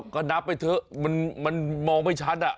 ก็นับไปเถอะมันมองไม่ชัด